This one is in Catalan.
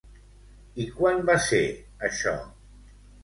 I quan va ser això?